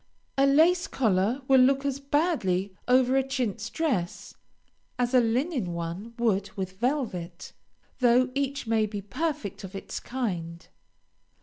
A lace collar will look as badly over a chintz dress, as a linen one would with velvet, though each may be perfect of its kind.